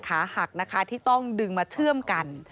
พบหน้าลูกแบบเป็นร่างไร้วิญญาณ